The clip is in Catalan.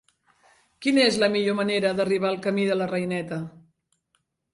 Quina és la millor manera d'arribar al camí de la Reineta?